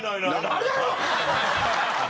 あるだろ！